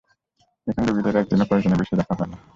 এখানে রোগীদের একদিনও প্রয়োজনের বেশি রাখা হয় না।